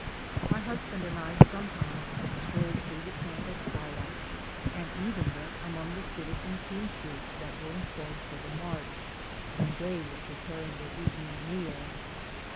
My hus band and I sometimes strolled through the camp at twilight, and even went among the citizen teamsters that are employed for the march, when they were pre paring their evening meal.